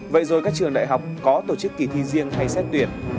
vậy rồi các trường đại học có tổ chức kỳ thi riêng hay xét tuyển